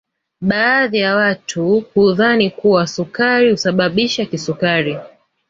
Baadhi ya watu hudhani kuwa sukari husababisha kisukari